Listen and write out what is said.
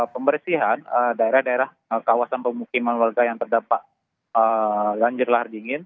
pembersihan daerah daerah kawasan pemukiman warga yang terdapat banjir lahar dingin